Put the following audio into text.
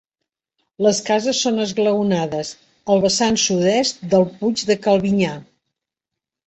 Les cases són esglaonades al vessant sud-oest del puig de Calbinyà.